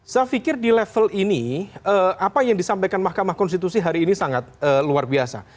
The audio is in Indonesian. saya pikir di level ini apa yang disampaikan mahkamah konstitusi hari ini sangat luar biasa